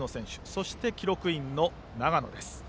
そして記録員の永野です。